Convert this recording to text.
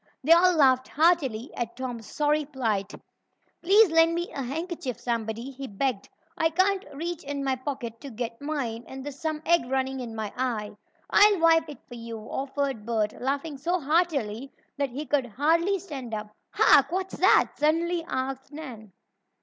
They all laughed heartily at Tom's sorry plight. "Please lend me a handkerchief, somebody," he begged. "I can't reach in my pocket to get mine, and there's some egg running in my eye." "I'll wipe it for you," offered Bert, laughing so heartily that he could hardly stand up. "Hark! What's that?" suddenly asked Nan.